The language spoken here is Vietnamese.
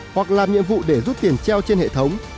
hoặc làm nhiệm vụ để rút tiền treo trên hệ thống